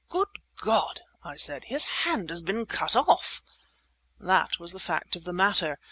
"Good God!" I said. "His hand has been cut off!" That was the fact of the matter.